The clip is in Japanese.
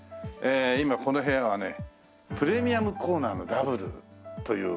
今この部屋はねプレミアムコーナーのダブルという感じで。